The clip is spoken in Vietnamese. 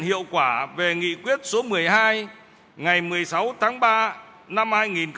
hiệu quả về nghị quyết số một mươi hai ngày một mươi sáu tháng ba năm hai nghìn một mươi